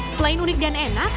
selain unik dan enak